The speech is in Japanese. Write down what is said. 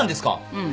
うん。